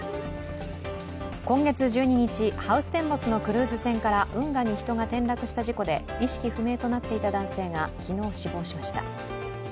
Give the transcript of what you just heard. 今月１２日、ハウステンボスのクルーズ船から運河に人が転落した事故で意識不明となっていた男性が昨日、死亡しました。